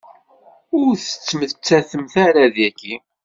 Ur tettemmatemt ara daki.